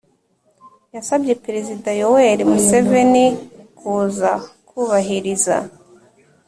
yasabye perezida yoweri museveni kuza kubahiriza